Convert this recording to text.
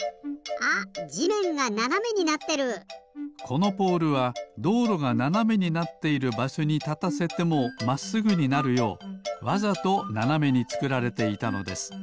このポールはどうろがななめになっているばしょにたたせてもまっすぐになるようわざとななめにつくられていたのです。